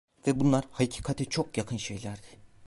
Ve bunlar, hakikate çok yakın şeylerdi.